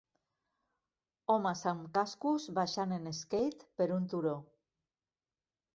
Homes amb cascos baixant en skate per un turó